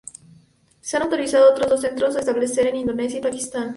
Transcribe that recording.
Se han autorizado otros dos centros a establecer en Indonesia y Pakistán.